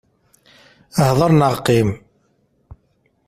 Hder neɣ qqim!